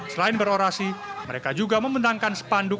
selain berorasi mereka juga memenangkan sepanduk